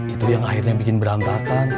itu yang akhirnya bikin berantakan